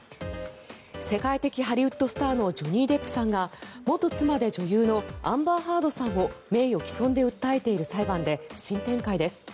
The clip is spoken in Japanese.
世界的ハリウッドスターのジョニー・デップさんが元妻で女優のアンバー・ハードさんを名誉棄損で訴えている裁判で新展開です。